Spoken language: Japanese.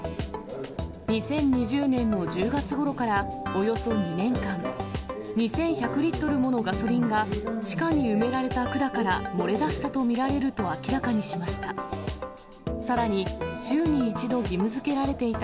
２０２０年の１０月ごろから、およそ２年間、２１００リットルものガソリンが、地下に埋められた管から漏れ出したと見られると明らかにしました。